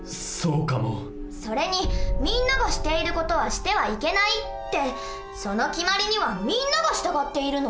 それに「みんながしている事はしてはいけない」ってその決まりにはみんなが従っているの？